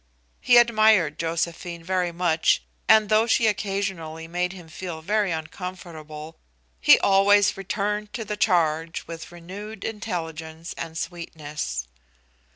He admired Josephine very much, and though she occasionally made him feel very uncomfortable, he always returned to the charge with renewed intelligence and sweetness.